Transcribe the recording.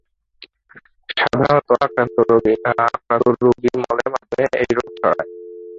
সাধারণত আক্রান্ত রোগীর মলের মাধ্যমে এ রোগ ছড়ায়।